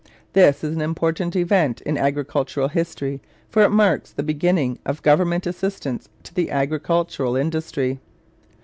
This is an important event in agricultural history, for it marks the beginning of government assistance to the agricultural industry.